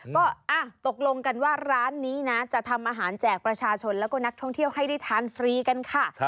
ก็ตกลงกันว่าร้านนี้นะจะทำอาหารแจกประชาชนแล้วก็นักท่องเที่ยวให้ได้ทานฟรีกันค่ะ